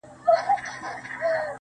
o جنگ دی سوله نه اكثر.